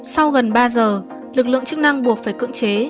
sau gần ba giờ lực lượng chức năng buộc phải cưỡng chế